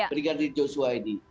brigadi joshua ini